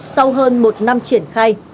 sau hơn một năm triển khai